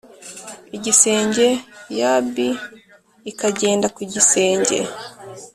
Igisenge yb ikagenda ku gisenge